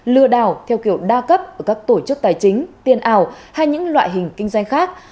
lừa đảo theo kiểu đa cấp ở các tổ chức tài chính tiền ảo hay những loại hình kinh doanh khác